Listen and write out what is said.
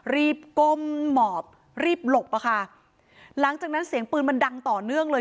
รีบก้มหมอบรีบหลบอะค่ะหลังจากนั้นเสียงปืนมันดังต่อเนื่องเลย